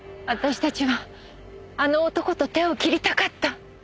私たちはあの男と手を切りたかった。